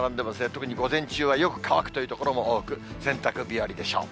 特に午前中はよく乾くという所も多く、洗濯日和でしょう。